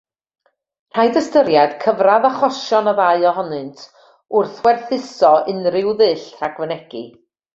Rhaid ystyried cyfradd achosion y ddau ohonynt wrth werthuso unrhyw ddull rhagfynegi.